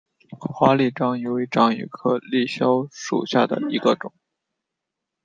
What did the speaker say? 华丽章鱼为章鱼科丽蛸属下的一个种。